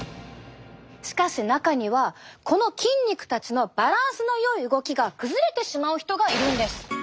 しかし中にはこの筋肉たちのバランスのよい動きが崩れてしまう人がいるんです。